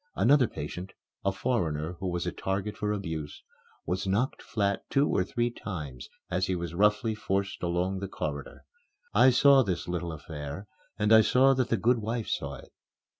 Another patient, a foreigner who was a target for abuse, was knocked flat two or three times as he was roughly forced along the corridor. I saw this little affair and I saw that the good wife saw it.